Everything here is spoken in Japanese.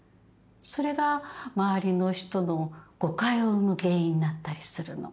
それが周りの人の誤解を生む原因になったりするの。